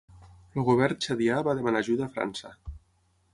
El govern txadià va demanar ajuda a França.